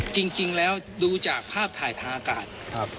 จริงแล้วดูจากภาพถ่ายทางอากาศ